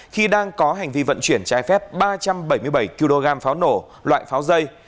khi đang có hành vi vận chuyển trái phép ba trăm bảy mươi bảy kg pháo nổ loại pháo dây